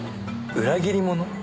裏切り者？